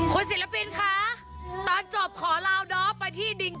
คุณศิลปินคะตอนจบขอลาวดอฟไปที่ดิง